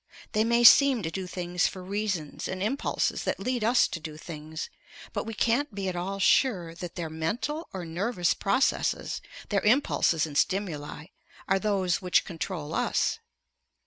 They may seem to do things for reasons and impulses that lead us to do things, but we can't be at all sure that their mental or nervous processes, their impulses and stimuli, are those which control us.